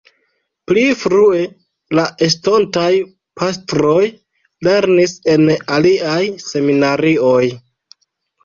Pli frue la estontaj pastroj lernis en aliaj seminarioj.